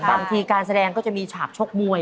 บางทีการแสดงก็จะมีฉากชกมวย